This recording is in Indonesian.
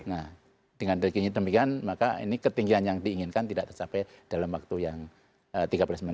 nah dengan ketinggian demikian maka ini ketinggian yang diinginkan tidak tercapai dalam waktu yang tiga belas menit